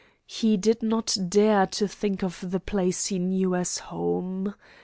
He did not dare to think of the place he know as home.